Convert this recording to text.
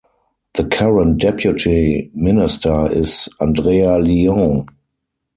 The current Deputy Minister is Andrea Lyon.